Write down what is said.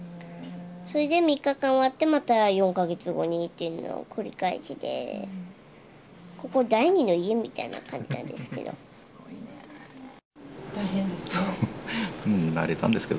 それで３日間終わってまた４カ月後にっていうのを繰り返しでここ第二の家みたいな感じなんですけど大変ですね